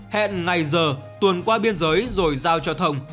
hẹn ngày giờ tuần qua biên giới rồi giao cho thông